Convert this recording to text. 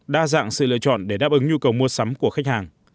đa dạng sự lựa chọn để đáp ứng nhu cầu mua sắm của khách hàng